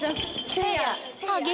せいやっ！